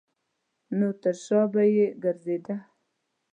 نو تر شا به یې ګرځېده.